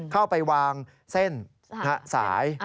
เข้าไปวางเส้นสาย